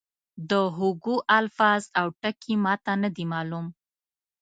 د هوګو الفاظ او ټکي ما ته نه دي معلوم.